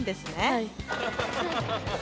はい。